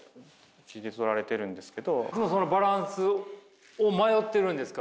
そのバランスを迷ってるんですか？